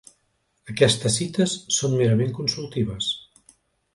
Aquestes cites són merament consultives.